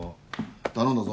頼んだぞ。